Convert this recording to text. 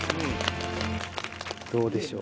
どうでしょう？